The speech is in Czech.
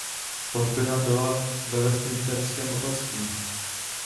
Pohřbena byla ve Westminsterském opatství.